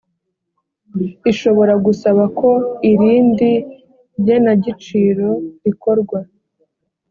ishobora gusaba ko irindi genagaciro rikorwa